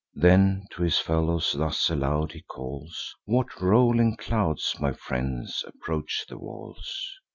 Then to his fellows thus aloud he calls: "What rolling clouds, my friends, approach the walls?